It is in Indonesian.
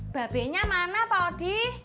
mbak benya mana pak odi